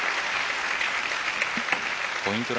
ポイント